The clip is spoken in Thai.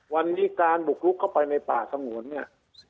วันนี้การบุกลุกเข้าไปในป่าสงวนเนี่ย